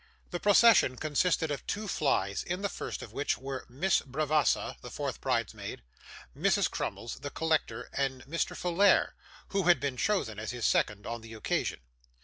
The procession consisted of two flys; in the first of which were Miss Bravassa (the fourth bridesmaid), Mrs. Crummles, the collector, and Mr Folair, who had been chosen as his second on the occasion.